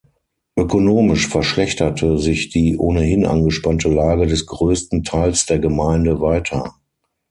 Ökonomisch verschlechterte sich die ohnehin angespannte Lage des größten Teils der Gemeinde weiter.